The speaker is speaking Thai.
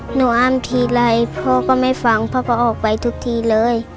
หนูอ้ามทีเลยพ่อก็ไม่ฟังพ่อพ่อออกไปทุกทีเลย